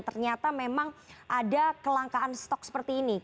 ternyata memang ada kelangkaan stok seperti ini